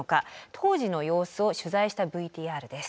当時の様子を取材したＶＴＲです。